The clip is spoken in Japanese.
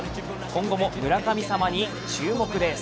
今後も村神様に注目です。